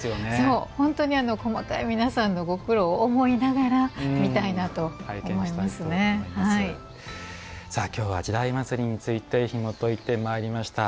本当に、細かい皆さんのご苦労を思いながら今日は「時代祭」についてひもといてまいりました。